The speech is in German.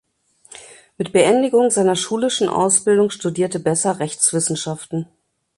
Mit Beendigung seiner schulischen Ausbildung studierte Besser Rechtswissenschaften.